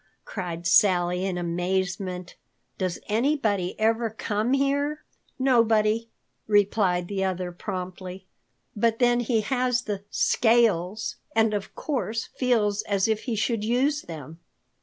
cried Sally in amazement. "Does anybody ever come here?" "Nobody," replied the other promptly. "But then he has the scales, and of course feels as if he should use them."